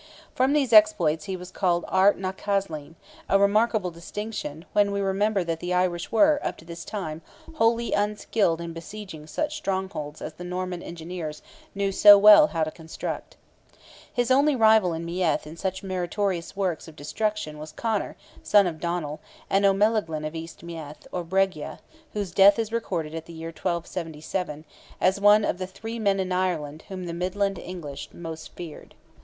From these exploits he was called Art na Caislean, a remarkable distinction, when we remember that the Irish were, up to this time, wholly unskilled in besieging such strongholds as the Norman engineers knew so well how to construct. His only rival in Meath in such meritorious works of destruction was Conor, son of Donnell, and O'Melaghlin of East Meath, or Bregia, whose death is recorded at the year 1277, "as one of the three men in Ireland" whom the midland English most feared.